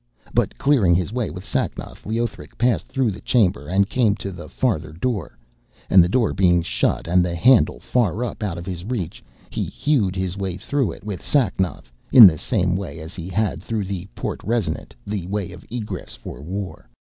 But clearing his way with Sacnoth, Leothric passed through the chamber, and came to the farther door; and the door being shut, and the handle far up out of his reach, he hewed his way through it with Sacnoth in the same way as he had through the Porte Resonant, the Way of Egress for War.